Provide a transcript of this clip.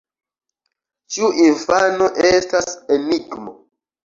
Ĉiu infano estas enigmo.